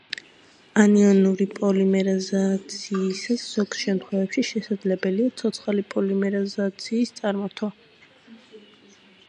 ანიონური პოლიმერიზაციისას ზოგ შემთხვევებში შესაძლებელია ცოცხალი პოლიმერიზაციის წარმართვა.